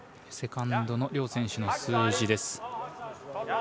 セカンドの両選手の数字です。